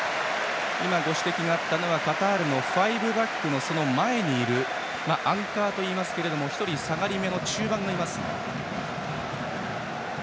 ご指摘があったのはカタールのファイブバックのその前にいるアンカーといいますけれども１人下がりめの中盤がいます。